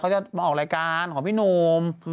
เขาจะมาออกรายการของพี่นม